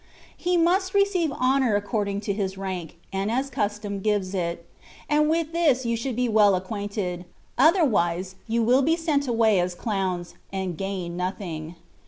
He must receive honour according to his rank, and as custom gives it ; and with this you should be well acquainted, otherwise you will be sent away as clowns, and gain nothing.